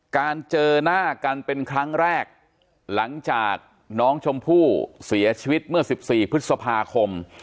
การเจอหน้ากันเป็นครั้งแรกหลังจากน้องชมพู่เสียชีวิตเมื่อ๑๔พฤษภาคม